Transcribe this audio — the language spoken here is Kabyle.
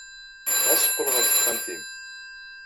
Ɣas qqel ɣer texxamt-nnem.